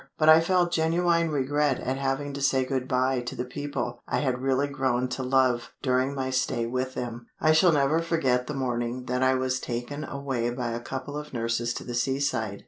But I felt genuine regret at having to say good bye to the people I had really grown to love during my stay with them. I shall never forget the morning that I was taken away by a couple of nurses to the seaside.